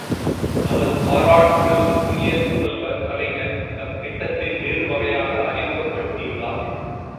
நமது பாராட்டுதலுக்குரிய முதல்வர் கலைஞர் இந்தத் திட்டத்தை வேறுவகையாக அறிமுகப்படுத்தியுள்ளார்.